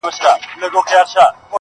د هر عین تعلق د حق د یوه اسم